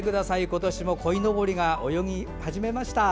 今年もこいのぼりが泳ぎ始めました！